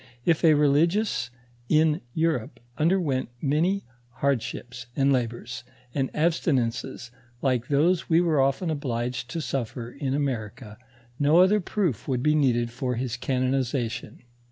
If a religious in Europe underwent many hard ships ana labors, and abstinences like those we were often obliged to suffer in America, no other proof would be needed for his canonization.